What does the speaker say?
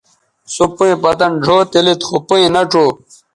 سو پئیں پتَن ڙھؤ تے لید خو پئیں نہ ڇؤ